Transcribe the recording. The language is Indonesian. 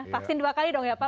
vaksin dua kali dong ya pak